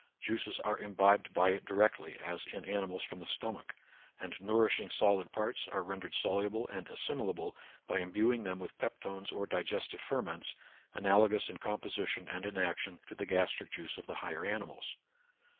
Juices are imbibed by it directly, as in animals from the stomach ; and nourishing solid parts are ren dered soluble and assimilable by imbuing them with peptones or digestive ferments, analogous in composition and in action to the gastric juice of the higher animals.